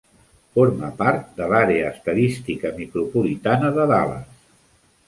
Forma part de l'àrea estadística micropolitana de Dallas.